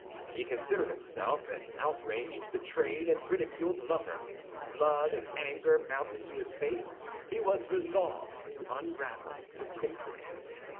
He considered himself an outraged, betrayed, and ridiculed lover. Blood and anger mounted to his face; he was resolved to unravel the mystery.